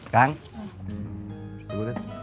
ya diurus atuh